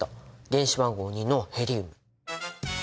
原子番号２のヘリウム。